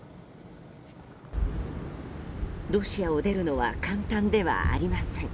ロシアを出るのは簡単ではありません。